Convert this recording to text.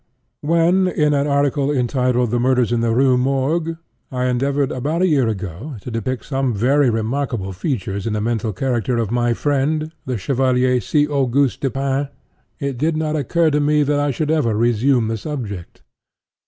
When, in an article entitled "The Murders in the Rue Morgue," I endeavored, about a year ago, to depict some very remarkable features in the mental character of my friend, the Chevalier C. Auguste Dupin, it did not occur to me that I should ever resume the subject.